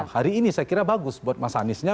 hari ini saya kira bagus buat mas aniesnya